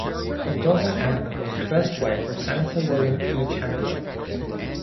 Their daughter Ann was the first wife of Senator William E. Chandler.